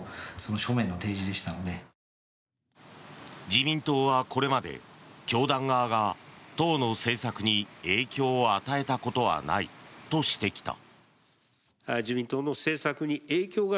自民党はこれまで教団側が党の政策に影響を与えたことはないとしてきた。